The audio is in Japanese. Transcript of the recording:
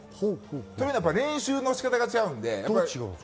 というのは練習の仕方が違うので。